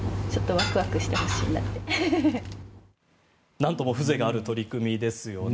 なんとも風情がある取り組みですよね。